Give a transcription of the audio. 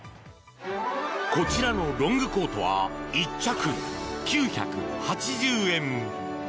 こちらのロングコートは１着、９８０円。